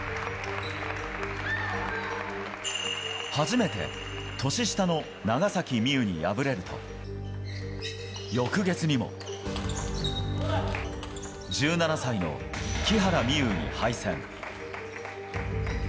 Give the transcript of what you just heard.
初めて、年下の長崎美柚に敗れると、翌月にも、１７歳の木原美悠に敗戦。